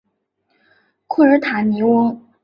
库尔塔尼翁。